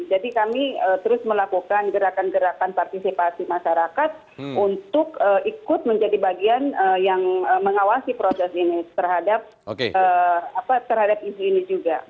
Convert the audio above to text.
kami terus melakukan gerakan gerakan partisipasi masyarakat untuk ikut menjadi bagian yang mengawasi proses ini terhadap isu ini juga